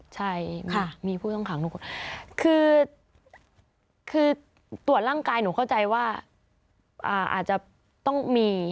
ใช่ค่ะมีผู้ต้องขังทุกคนคือตรวจร่างกายหนูเข้าใจว่าอาจจะต้องมี